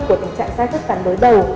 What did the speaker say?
của tình trạng sai khớp cắn đối đầu